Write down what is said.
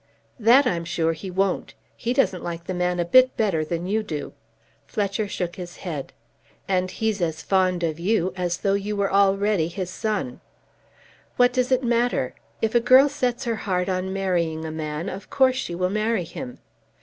"That I'm sure he won't. He doesn't like the man a bit better than you do." Fletcher shook his head. "And he's as fond of you as though you were already his son." "What does it matter? If a girl sets her heart on marrying a man, of course she will marry him.